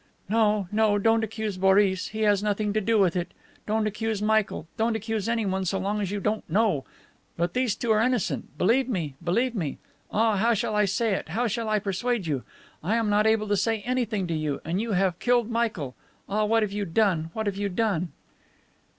"No, no. Don't accuse Boris. He has nothing to do with it. Don't accuse Michael. Don't accuse anyone so long as you don't know. But these two are innocent. Believe me. Believe me. Ah, how shall I say it, how shall I persuade you! I am not able to say anything to you. And you have killed Michael. Ah, what have you done, what have you done!"